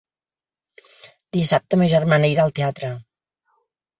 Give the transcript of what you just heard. Dissabte ma germana irà al teatre.